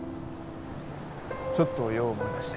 ちょっと用を思い出して。